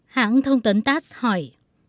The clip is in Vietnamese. hãng thông tấn tass hỏi